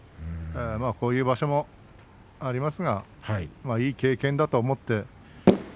こういう場所もありますがまあ、いい経験だと思って。